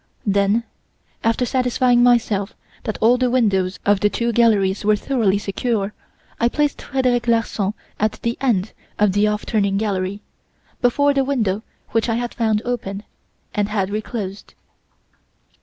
"Then, after satisfying myself that all the windows of the two galleries were thoroughly secure, I placed Frederic Larsan at the end of the 'off turning' gallery, before the window which I had found open and had reclosed.